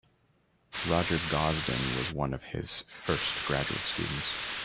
Roger Gosden was one of his first graduate students.